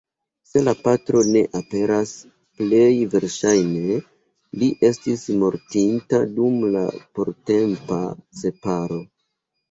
Se la patro ne aperas, plej verŝajne li estis mortinta dum la portempa separo.